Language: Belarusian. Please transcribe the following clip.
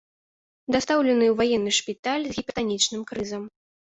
Дастаўлены ў ваенны шпіталь з гіпертанічным крызам.